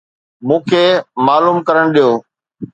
مون کي معلوم ڪرڻ ڏيو